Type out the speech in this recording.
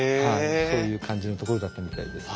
そういう感じの所だったみたいです。